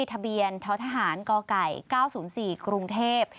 ทะเบียนท้อทหารกไก่๙๐๔กรุงเทพฯ